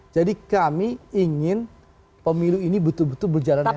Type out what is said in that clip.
jadi kami ingin pemilu ini betul betul berjalan netral